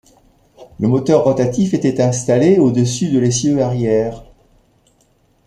Le moteur rotatif était installé au-dessus de l'essieu arrière.